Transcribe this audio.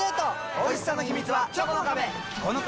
おいしさの秘密はチョコの壁！